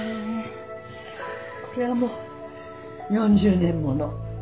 これはもう４０年物。